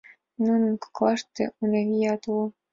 Нунын коклаште Унавиат уло.